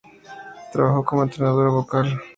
Trabajó como entrenadora vocal.